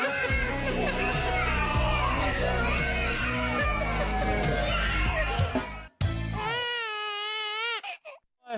สบัดข่าวเด็ก